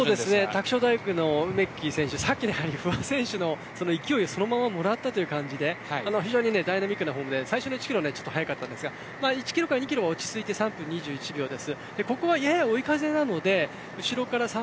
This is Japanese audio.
拓殖大学の梅木選手不破選手の勢いをそのままもらった感じで非常にダイナミックなフォームで最初の１キロは速かったですが１キロから２キロ落ち着いて３分２１秒です。